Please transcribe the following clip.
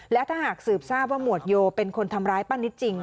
และถ้าหากสืบทราบว่าหมวดโยเป็นคนทำร้ายป้านิตจริง